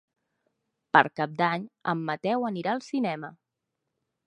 Per Cap d'Any en Mateu anirà al cinema.